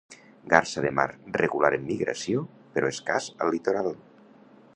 Garsa de mar regular en migració, però escàs, al litoral.